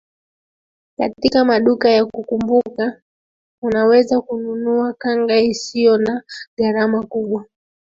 Katika maduka ya kukumbuka unaweza kununua kanga isiyo na gharama kubwa